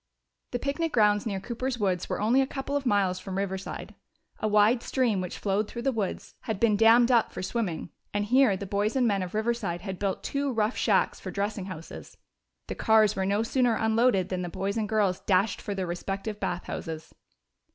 The picnic grounds near Cooper's woods were only a couple of miles from Riverside. A wide stream which flowed through the woods had been dammed up for swimming, and here the boys and men of Riverside had built two rough shacks for dressing houses. The cars were no sooner unloaded than the boys and girls dashed for their respective bath houses.